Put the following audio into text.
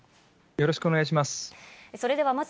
よろしくお願いします。